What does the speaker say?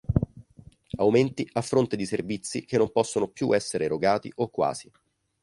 Aumenti a fronte di servizi che non possono più essere erogati o quasi.